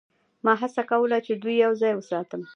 ما هڅه کوله چې دوی یوځای وساتم